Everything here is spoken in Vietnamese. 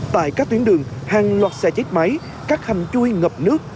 tại các tuyến đường hàng loạt xe chết máy các hầm chui ngập nước